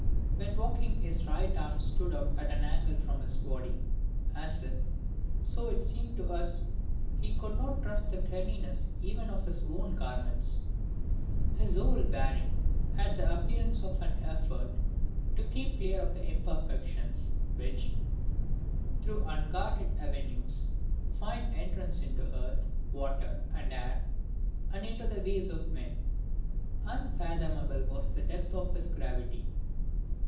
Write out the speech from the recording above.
When walking his right arm stood out at an angle from his body, as if, so it seemed to us, he could not trust the cleanliness even of his own garments. His whole bearing had the appearance of an effort to keep clear of the imperfections which, through unguarded avenues, find entrance into earth, water and air, and into the ways of men. Unfathomable was the depth of his gravity.